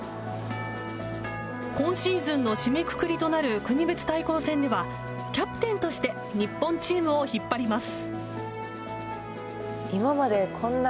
今シーズンの締めくくりとなる国別対抗戦ではキャプテンとして日本チームを引っ張ります。